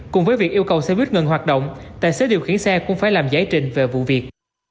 cùng với việc yêu cầu xe buýt ngừng hoạt động tài xế điều khiển xe cũng phải làm giải trình về vụ việc